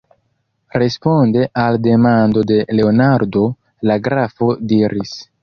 Responde al demando de Leonardo, la grafo diris: